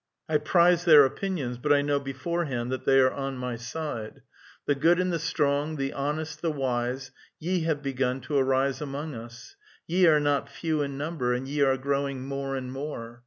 I prize their opinions, but I know beforehand that they are on my side. The good and the strong, the honest, the wise, ye have begun to arise jamong us ; ye are not few in number, and ye are growing more and more.